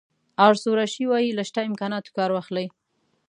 آرثور اشي وایي له شته امکاناتو کار واخلئ.